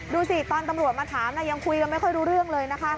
ดูสิตอนตำรวจมาถามยังคุยกันไม่ค่อยรู้เรื่องเลยนะคะ